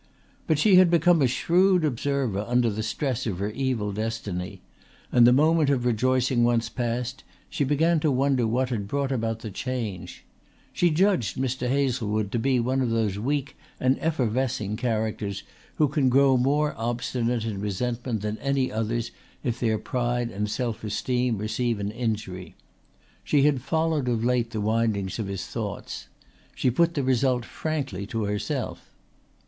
But she had become a shrewd observer under the stress of her evil destiny; and the moment of rejoicing once past she began to wonder what had brought about the change. She judged Mr. Hazlewood to be one of those weak and effervescing characters who can grow more obstinate in resentment than any others if their pride and self esteem receive an injury. She had followed of late the windings of his thoughts. She put the result frankly to herself.